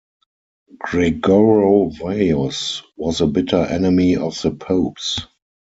Gregorovius was a bitter enemy of the popes.